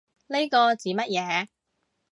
呢個指乜嘢